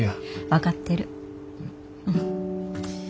分かってる。